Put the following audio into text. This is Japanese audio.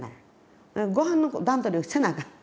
ごはんの段取りをせなあかん。